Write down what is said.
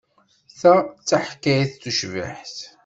Ta d taḥkayt tucbiḥt.